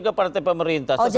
ke partai pemerintah oh jadi bisa